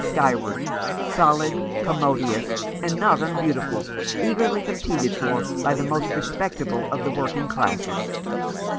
skyward, solid, commodious, and not unbeautiful, eagerly competed for by the most respectable of the working classes.